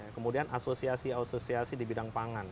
kemudian asosiasi asosiasi di bidang pangan